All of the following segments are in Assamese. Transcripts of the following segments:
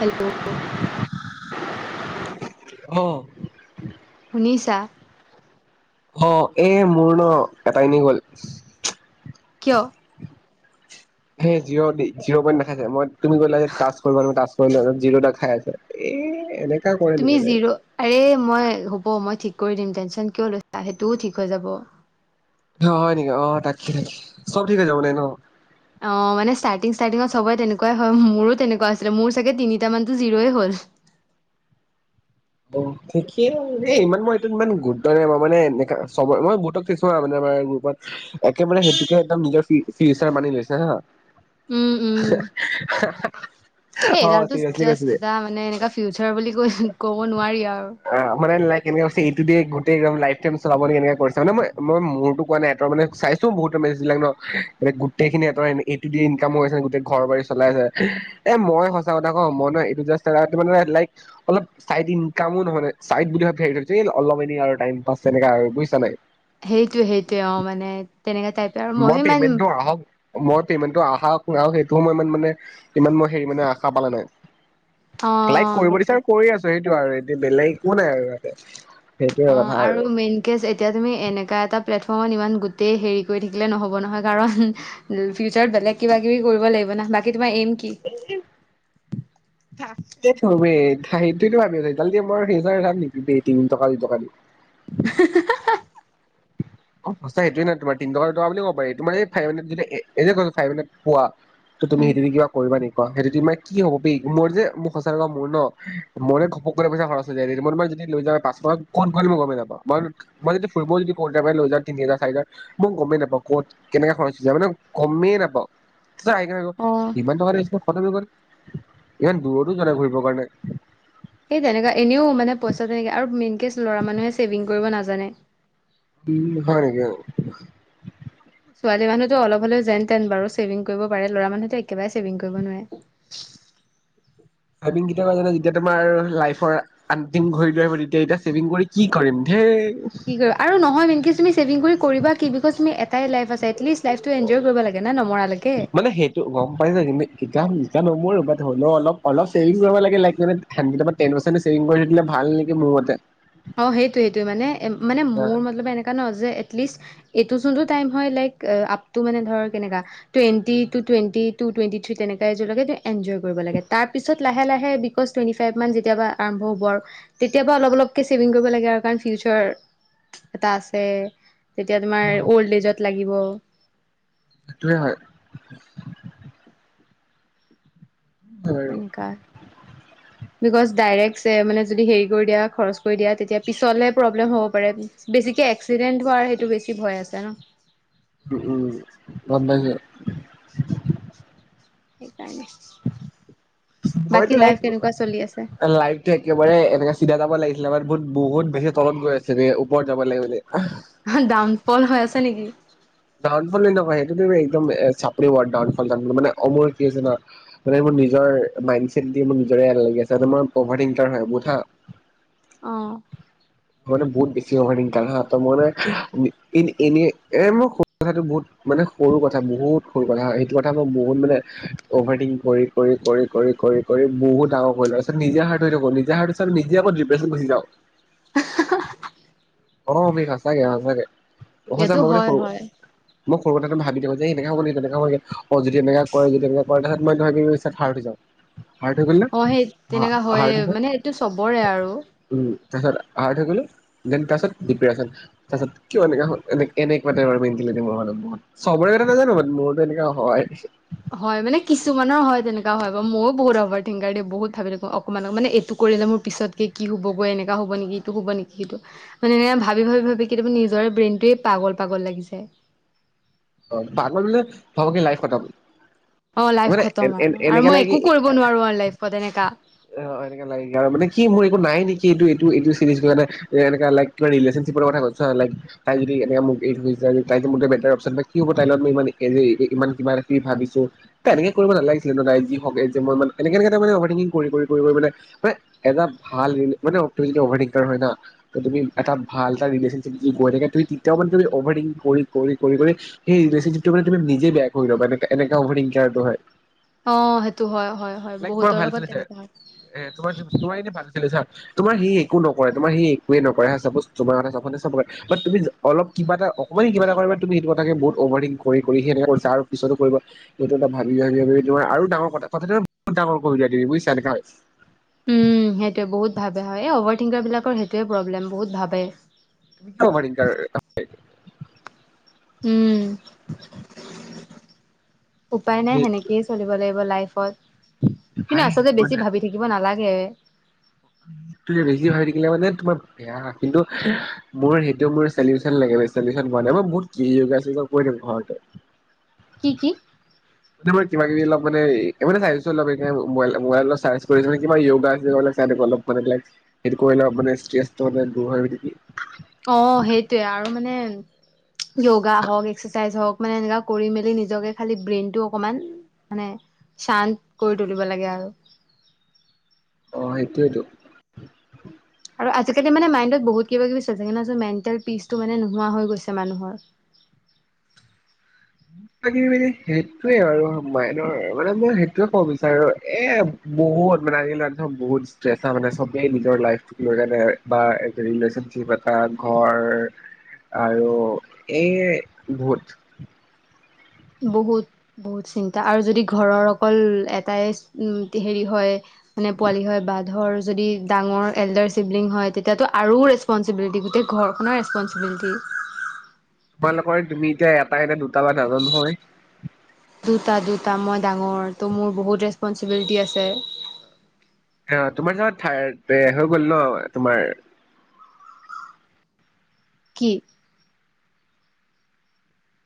হেল্ল' অ' শুনিছা অ এ মোৰ ন এটাই নি গল কিয় হেই জিৰ' দি জিৰ' পইণ্ট দেখাই যে মই তুমি কৰিলোৱা হে তাচ কৰি পালোং তাচ [unintelligible] জিৰ খাই আছে এ এনে তুমি জিৰো আৰে মই হ'ব মই ঠিক কৰি দিম টেনচন কিয় লৈছা সেইটোও ঠিক হৈ যাব। অ হয় নেকি অ থাক থাকি চব ঠিকে যাব নাই ন অ মানে ষ্টাৰ্টিং ষ্টাৰ্টিঙত সবে তেনেকুৱাই হয় মোৰো তেনেকুৱা আছিলে মোৰ চাগে তিনিট মানতো জিৰয়ে হল থিকেইে ইমান মই সেইটো ইমান গুৰুত্ব নাই মানে এনেকা চব মই গোতক থৈছো মানে আমাৰ গ্ৰুপত একে বাৰে সেইটোকে একদম [unintelligible] মানি লৈছে হা অ', এডালতো চিৰিয়াছলি কৈছো জাষ্ট এটা মানে এনেকা ফিউচাৰ বুলি ক'ব নোৱাৰি আৰু অ মানে লাইক কেনেকে কৈছে এইটো দিয়ে গোটেই একম লাইফ টাইম চলাব নেকি এনেকে কৰিছে মানে মই মই মোৰতো কোৱা নাই এতৰ মানে চাইছো বহুতৰ মেছেজবিলাক ন গোটেইখিনি এতৰ এইটো দিয়ে ইনকাম হৈ আছে গোটেই ঘৰৰবাৰি চলাই আছে এ মই সঁচা কথা কওঁ মই ন এইটো জাষ্ট [unintelligible] অলপ চাই দিম কামো নহয় মানে চাইদ বুলি অলপ এনে টাইমপাছ তেনেকা আৰু বুজিছা নাই সেইটোৱে সেইটোৱে অ মানে তেনেকা টাইপে আৰু ময়ো মই ইমান পেমেন্টটো আহক মই পেমেণ্টটো আহা কৰাও সেইটো মই ইমান মানে ইমান মই হেৰি মানে আশা পালা নাই অ অ লাইক কৰিব সেইটোৱে দিছোৰ কৰি আছো সেইটো আৰু এতিয়া বেলেগ একো নাই আৰু ইয়াতে সেইটোৱে অ কথা আৰু মেইন কে এতিয়া তুমি এনেকা এটা প্লেট ফ ইমান গোটেই হেৰি কৰি থাকিলে নহ'ব নহয় কাৰণ ফিউচাৰত বেলেগ কিবা কিবি কৰিব লাগিব ন বাকী তোমা এইম কি ৱেইট [unintelligible] গল্টি আমাৰ হেৰি কৰা কাম নেকি তিন টকা দুটকা দি হে হে হে হাহ সঁচাই সেইটোয়ে ন তোমাৰ তিন টকা দুটকা বুলি কব পাৰি তোমাৰ এই ফাইভ হাণ্ড্ৰেত যদি এ এনেই কৈছো ফাইভ হাণ্ড্ৰেত পোৱা তুমি উম সেইটোদি কিবা কৰিবা নেকি অ সেইটো দি মানে কি হ'ব বে মোৰ যে মোৰ সঁচা কথা মোৰ ন মনে ঘপক কেনে পইচা খৰচ হৈ যায় ৰে মই তোমাক যদি লৈ যাও পাচশ কত গ'ল মই গমে নাপাওঁ মই যদি ফুৰিব যদি কত একেবাৰে লৈ যাওঁ তিনি হাজাৰ চাৰি হাজাৰ মই গমেই নাপাও কত কেনেকে খৰচ হৈ যা মানে গমেই নাপাওঁ ছাইদ হৈ গ অ ইমান টকা আনিছিলো ইমান দূৰতো যোৱা নাই ঘূৰিবৰ কাৰণে এই তেনেকুৱা এনেও মানে পইচা তেনেকে আৰু মেইনকে ল'ৰা মানুহে ছেভিং কৰিব নাজানে উম হয় নেকি ছোৱালী মানুহ অলপ হলেও যেনতেন বাৰু ছেভিং কৰিব পাৰে লৰা মনুহ তো একেবাৰে ছেভিং কৰিব নোৱাৰে। ভাবিং যেতিয়া তোমাৰ লাইফৰ অন্তিম ঘড়ী টো আহিব তেতিয়া। এতিয়া ছেভিং কৰি কি কৰিম ধেই কি কৰিব আৰু নহয় মেনকে তুমি ছেভিং কৰি কৰিবা কি বিকজ তুমি এটাই লাইফ আছে এটলিষ্টজ লাইফটো এনজয় কৰিব লাগে না নমৰালৈকে মানে সেইটো গম পাইছো কিন্তু এতিয়া [unintelligible] জানো মইয়ো বাট হলেও অলপ অলপ ছেভিং কৰিব লাগে লাগিলে মানে [unintelligible] টেন পাৰ্চেন্ট ছেভিং কৰি থলে ভাল নেকি মোৰ মতে অ সেইটোয়েটো মানে মানে মোৰ মতলব এনেকুৱা নহ যে এলিষ্ট এইটো যোনটো টাইম হয় লাইক আপ টু মানে ধৰ কেনেকা twenty two twenty two twenty three তেনেক এযোৰকে এনজয় কৰিব লাগে তাৰপিছত লাহে লাহে বিকজ টুৱেণ্টি ফাইভ মান যেতিয়াবা আৰম্ভ হ'ব আৰু তেতিয়াবা অলপ অলপ ছেভিং কৰিব লাগে আৰু কাৰণ ফিউচাৰ এটা আছে তেতিয়া তোমাৰ অ' অল্ড লিজত লাগে গিব সেতুৱে হয় বাৰু তেনেকাত বিকজ ডাইৰেক্ট মানে যদি হেৰি কৰি দিয়া খৰচ কৰি দিয়া তেতিয়া পিছলে প্ৰব্লেম হ'ব পাৰে। বেছিকে এক্সিডেন্ট হোৱাৰ সেইটো বেছি ভয় আছে ন। উম উম বন্দ যে সেইকাৰণে বাকী মইতো লাইফ কেনেকুৱা চলি আছে? লাইফটো একেবাৰে এনেকে চিধা যাব লাগিছিলে বাৰু বহুত বহুত বেছি তলত গৈ আছে‌ ৰে ওপৰত যাব লাগিব যে ডাউনফল হৈ আছে হয় নিকি ধন ফলে নকয় সেইটো তুমি একদম এ চা [unintelligible] মানে অমল কি হৈছে জানা মানে মোৰ নিজৰ মাইন ছেড দি মোৰ নিজৰে এলাহ লাগিল আছে মানে মই অভাৰ ইনটাৰ হয় মুড হা অহ মই মানে বহুত বেছ অভাৰিংতাল হা ত মই মানে এ এনে মোৰ সৰু কথাটো বহুত মানে সৰু কথা বহুত সৰু কথা সেইটো কথা মই বহুতমানে মানে অভাৰটিং কৰি কৰি কৰি কৰি কৰি কৰি বহুত ডাঙৰ কৰি লো তাৰিছত নিজে হাৰ্ট হৈ থাকো নিজ হাৰ্ট নিজে আকৌ ড্ৰিপেচন গুচি যাওঁ অ অমিৰ সঁচাকে সঁচাকে সঁচা এইটো মই মানে হয় সৰু হয় মই সৰু কথাটো ভাবি দওঁ যে এনেকা হ'ব নেকি তেনেকা অ যদি এমে কৰে যদি এমে কৰে তোছ মই ধি থাৰ উঠ যাওঁ। হাৰ্ড হৈ গ'ল না অ সেই তেনেককা হয়ে হাৰ্ড হৈ মানে এইেইটো চবৰে আৰু। উম তাৰপিছত আহ‌। হাড হৈ গলো দেনাৰনিয় তাৰপিছত পি পিৱাত তাৰপাছত কিয় এনেকুৱা হ'ল এনেকুৱা টাইপ মেনন্টি লাগে মোৰ চবৰে কথা নাজানো মোৰো এনেকুৱা হয়। হয় মানে কিছুমানৰ হয় তেনেকা হয় বা ময়ো বহুত অভাৰ থিংকাৰ দি বহুত ভাবি থাকো অকমানক মানে এইটো কৰিলে। মোৰ পিছতক কি হ'ব গৈ এনেককা হব নেকি এইটো হব নেকি স এইটো মানে এ ভাবি ভাবি ভাবি কেতিয়াবা নিজৰ ব্ৰেইনটোৱে পাগল পাগল লাগি যায়। অ ভাগৰ মানে চবকে লাইফ খতম। অ লাইফ মানে খতম এ আৰু আৰু এনেকা মই লাগে কি একো কৰিব নোৱাৰো আৰু লাইফত এনেকা। অ এনেকা লাগে আৰু মানে কি মোৰ নাই নেকি এইটো এইটোটো চিৰেজ এইটো লোৱা নাই। এনেকুৱা লাইফ ৰিলেশনশ্বিপৰ কথা কৈছা। লাইফ তাই যদি এনে মোক এৰি থৈ গোচি যায়। তাই মোক মেটাৰ অকচন কি। কি হ'ব তাইৰ লগত মোক ইমান এৰেই এই কিমান কি ভাবিছো। তাই এনেকে কৰিব নালাগিছিল ভাবিছো এনেকে কৰিব নালাগিছিলে কি‌ হ'ক তাই লগত ময় ইমান এৰেই নাই য হ যে মই অভাৰিং কৰি কৰি কৰি কৰি মানে এটা ভালৰিলেস্নিপ মানে অভাৰিং কাৰ হয় না মানে তুমি এটা ভাল ৰিলেস্নিপ কৰি থাক তেতিয়াও তুমি অভাৰিং কৰি কৰি কৰি কৰি। এই ৰিলেচিপিটো মানে তুমি নিজে বেয়া কৰি ল'ব এনেকা অভাৰিংকেয়াটো হয়। অ সেইটো হয় হয় হয় লাইক তোমাৰ বহুতৰ ভাল লগত চলিছে তেনেকা হয়। এ তোমাৰ তোমাৰ এনে ভাল আছিলে চা তোমাৰ সি একো নকৰে। তোমাৰ সি একোৱে নকৰে হা চাপজ তমাৰ কথা চাব ব তুমি অলপ কিবা এ অকণমান কিবা এটা কৰো তুমি সেইটো কথে বহুত। অভাৰিং কৰি কৰি কৰি সেনে কৰি আৰু পিছতো কৰিব। সেইটো এটা ভাব ভাবি ভাবি তোমাৰ আৰু ডাঙৰ কথা কথাম বহুত ডাঙৰ কৰিবা তুমি বুজছা এনেকুৱা হয়। উম সেইটোৱে বহুত ভাবে হয় অভাৰ থিংকাৰ বিলাকৰ সেইটোৱে প্ৰব্লেম বহুত ভাবে। তুমি অভাৰিংকাৰ হয়। উম। উপায় নাই সেনেকয়ে চলিব লাগিব। লাইফ ত। কিন্তু আচলতে সেইটো বেছি ভাবি থাকিব নালাগে। হে। তুমে বেছি ভাবি থাকিলে, মানে তোমাৰ বেয়া কিন্তু মোৰ সেইটো মোৰ চিচন লাগে চিচন কৰা নাই মই বহুত ক যোগা কৈ দি ঘৰতে। কি কি? এতিয়া মই কিবা কিবি অলপ মানে চাইএছটো এনে মোবাইলত চাৰ্ছ কৰি কৰি ইওয়োগা। ৰাতিপুৱা অলপ মানে সেটো কৰিলে অলপ মানে স্তেছৰ অলপ দৰ হয় নেকি। অ সেইটোৱে আৰু মানে য়োগা হওঁক এক্সাৰচাইজ হওক মানে এনেকুৱা কৰি মেলি নিজকে খালি ব্ৰেইনটো অকমান মানে চান্ত কৰি তুলিব লাগে আৰু। অ সেইটোটো। আৰু আজিকালি মানে মাইণ্ডত বহুত কিবা কিবি চলিছোগ ন মেণ্টেল পিচটো মানে নোহোৱা হৈ গৈছে মানুহৰ। কিবা কিবি‌ মানে সেইটোৱে আৰু মাইনৰ মানে মই সেইটোৱে কব বিচাৰো এ বহুত মানে আজি কালি লৰা ছোৱালীবোৰ বহুত ষ্টেচাঞ মানে ছবেই নিজৰ লাইফ লৰা এটাই ৰিলেছন চিপ্ এটা ঘৰ আৰু এই বুধ। বহুত বহুত চিন্তা আৰু যদি ঘৰৰ অকল এটাই হেৰি হয় মানে পোৱালি হয় বা ধৰ যদি ডাঙৰ এল্ডাৰ চিবলিং হয় তেতিয়াতো আৰু ৰেচপনচিবিলিটি গোটেই ঘৰখনৰ ৰেচপনচিবিলিটি। তোমালোকৰ তুমি এতিয়া এটা এটা দুটা বা নাজানো হয়। দুটা দুটা মই ডাঙৰ ত' মোৰ বহুত ৰেচপনচিবিলিটি আছে। অ তোমাৰ হিচাপত থাট পে হৈ গ'ল ন তোমাৰ। কি?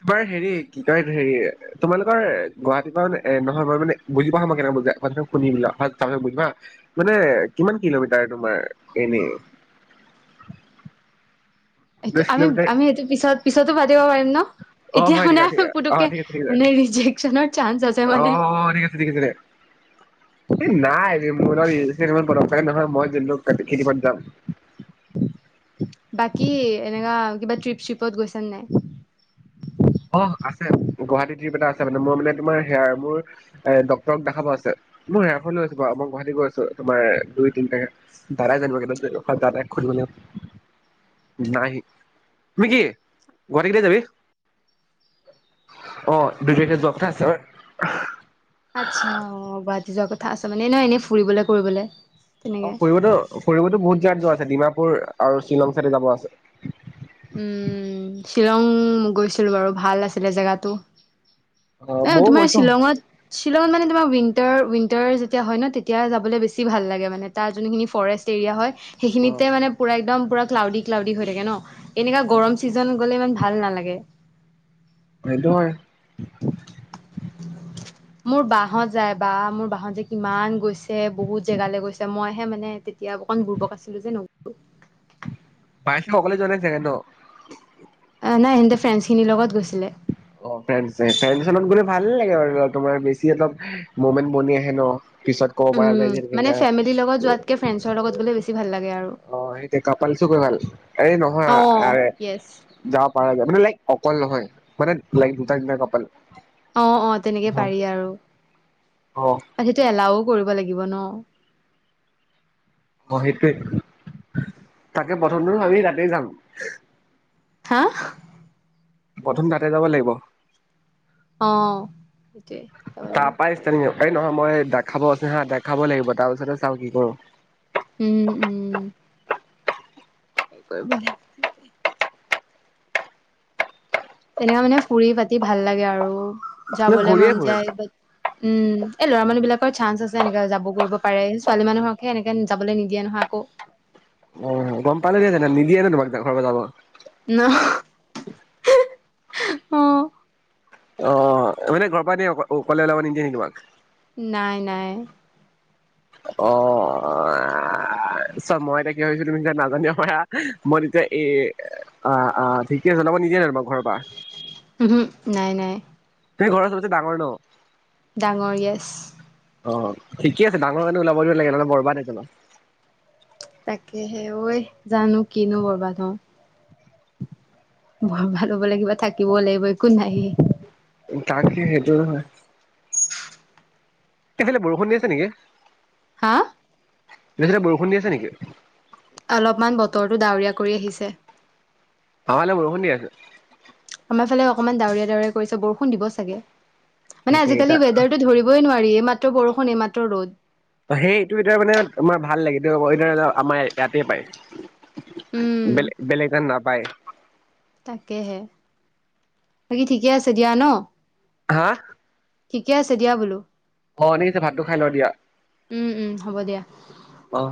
তোমাৰ হেৰি কি কয় হেৰি তোমালোকৰ গুৱাহাটীৰ পৰা এ নহয় মই মানে বুজ পা হ মই কেনেক বুজ শুনিবিলা হয় ত বুজিবা মানে কিমান কিলোমিটাৰ তোমাৰ এনে। এইটো আমি আমি এইটো পিছত পিছতো পাতিব কিলোমিটাৰ পাৰিম ন অ এতিয়া হয় মানে নিকাক অ পুতুককে ঠিক আছে মানে ৰিজেকচনৰ চান্স আছে মানে অহ ঠিক আছে এই নাই মোৰ নহয় মই যোন খেতি প যাম। বাকী এনেকা কিবা ট্ৰিপ চিপত গৈছোন নাই? অ আছে গুৱাহাটী টিপ এ টা আছে। মানে মোৰ মানে তোমাৰ হেয়াৰ মোৰ এ ডক্তটৰক দেখাব আছে মই হেয়াৰখন লৈ আছো বাৰু মই গুৱাহাটী গৈ আছো তোমাৰ দুই তিনটাকে। ধৰোই জানিব দাৰ। নাই তুমি কি গুৱাহাটী কেইতিয়া যাবি। অ দুই তাৰিখে যোৱা কথা আছে। আচ্ছা অ গুৱাহাটী যোৱা কথা আছে মানে নহয় এনেই ফুৰিবলৈ কৰিবলৈ। অ ফুৰিবতো ফুৰিবতো বহুত যাত যোৱা ডিমাপুৰ আৰু শ্বিলং চাইড যাব আছে। উম, শ্বিলং গৈছিলোঁ বাৰু ভাল আছিলে জেগাটো অ এ ময়ো তোমাৰ গৈছো শ্বিলঙত শ্বিলঙত মানে তোমাৰ উাৰ উইণ্টাৰ যেতিয়া হয় ন তেতিয়া যাবলৈ বেছি ভাল লাগে মানে তাৰ যোনখিনি ফৰেষ্ট এৰিয়া হয় অ সেইখিনিতে মানে পুৰা একদম পুৰা ক্লাউডি ক্লাউডি হৈ থাকে ন এনেককাা গৰম ছিজন গ'লে ইমান ভাল নালাগে সেইতু হয়। মোৰ বাহত যায় বা মোৰ বাহত যে কিমান গৈছে বহুত জেগালৈ গৈছে মইহে মানে এয়া অকণুৰ্ব আছিলো যে ন উ আহছ অকলে যোৱা নাই চাগে ন। অ নাইেনেতে ফ্ৰেণ্ড খিনিৰ লগত গৈছিলে অ ফ ফত গলে ভাল লাগে আৰু তোমাৰ বেছি অলপ মমেন্ট বনি আহে ন পিছত কব পৰা উম, যায় যে মানে এনেকা ফেমিলিৰ লগত যোৱাতকে ফ্ৰেণ্ডছৰ লগত গ'লে বেছি ভাল লাগে আৰু অ সেইয়া কপাল চকৈ ভাল এ নহয় আ অ', য়েছ। যাব পৰা যায় মানে লাইক অকল নহয় মানে লাইক দুটা তিটা কাপাল অ অ তেনেকে পাৰি আৰু অ ত সেইটো এলাও কৰিব লাগিব ন অ সেইটোোৱে তাকে প্ৰথমটোো আমি তাতে যাম হা প্ৰথম তাতে যাব লাগিব অ সেইটোৱে যাব তাৰ লাগিব পৰা ষ্টাৰ্টিং এই নহয় মই দেখাব আছে হা দেখাবই লাগিব তাৰ পিছত চাওঁ কি কৰোঁ। উম উম সেই কৰি ভন নথাকে। তেনেকুৱা মানে ফুৰি পাতি ভাল লাগে আৰু নে যাব লাই ঘূৰিয়ে মন ফুৰো যায় উম এই ল'ৰা মানুহ বিলাকৰ চান্স আছে এনেকা যাব কৰিব পাৰে ছোৱালী মানুহকহে এনেকে যাবলে কৰিব পাৰে ছোৱ মানুহকহে এনেকে জাবৰে অ গম পালোহে জান নিদিয়ে ন তোমাক ঘৰৰ পৰা যাব ন অ অ মানে ঘৰ প পৰা নিয় অ অকলে ওলাবা নিদিয়ে তোমাক। নাই নাই অ চ মই এতিয়া কি ভাবছো তুমি নাজানিবা পাৰা মই তেতিয়া এই আহ ঠিকে আ জ মই নিদে নোম ঘৰৰ পৰা উ নাই নাই স ঘৰৰ চবচে ডাঙৰ ন ডাঙৰ গেছ অ ঠিকে আছে ডাঙৰ কাৰণে ওলাব নালাগে নহ'লে বৰবাদ হৈ যাবা তাকেহে ঐ জানো কিনো ববা ধ বৰ ভাল হ'ব ল কিবা থাকিব লাগিব একো নাইয়ে তাকে সেইটো নহয়। এইফালে বৰষুণ দি আছে নেকি? হা তয়া বৰষুণ দি আছে নেকি অলপমান বতৰটো ডাৱৰীয়া কৰি আহিছে। আমা এইয়াট বৰষুণ দি আছে। আমাৰ ফালে অকণমান ডাৱৰীয়া ডাউৰৰি কৰিছে বৰষুণ দিব চাগে। মানে তাকে এতিয়া আজিকালি ৱেডাৰটো ধৰিবই নোৱাৰি এইমাত্ৰ বৰষুণ এইমাত্ৰ ৰ'দ ত' সেইটো এতিয়া মানে তোমাৰ ভাল লাগে এই আমাৰ ইয়াতে পায়। উম বেলে বেলেগ দে নাপাই তাকেহে বাকী ঠিকে আছে দিয়া ন। হা ঠিকে আছে দিয়া বোলো। অ দেৰি হৈছে ভাতটো খাই লওঁ উম উম হ'ব দিয়া